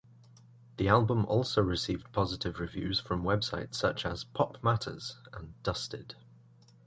The album also received positive reviews from websites such as "PopMatters" and "Dusted".